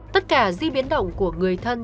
tất cả di biến động của người thân